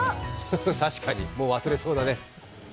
確かに、もう忘れそうだね。